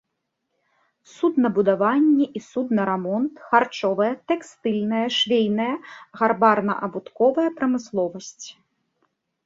Суднабудаванне і суднарамонт, харчовая, тэкстыльная, швейная, гарбарна-абутковая прамысловасць.